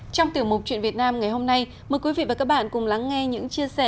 trong tiểu mục chuyện việt nam ngày hôm nay mời quý vị và các bạn cùng lắng nghe những chia sẻ